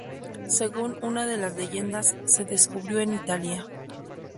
Según una de las leyendas, se descubrió en Italia.